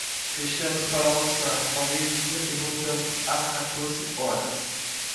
Fechamos para almoçar ao meio-dia e voltamos às quatorze horas.